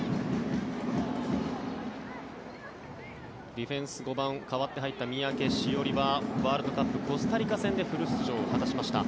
ディフェンス５番代わって入った三宅史織はワールドカップ、コスタリカ戦でフル出場を果たしました。